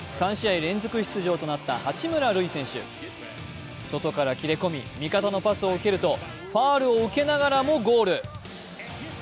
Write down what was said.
３試合連続出場となった八村塁選手、外から切れ込み、味方のパスを受けるとファウルを受けながらもゴール。